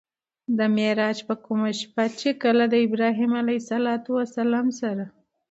د معراج په کومه شپه چې کله د ابراهيم عليه السلام سره